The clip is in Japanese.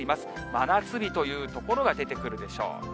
真夏日という所が出てくるでしょう。